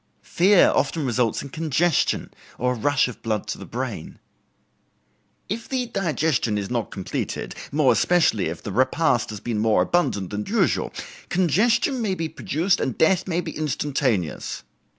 Fear often results in congestion, or a rush of blood to the brain. "If the digestion is not completed, more especially if the repast has been more abundant than usual, congestion may be produced and death be instantaneous.